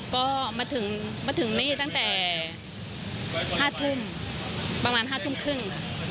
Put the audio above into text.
ก็มาถึงนี่ตั้งแต่๕ทุ่มประมาณ๕ทุ่มครึ่ง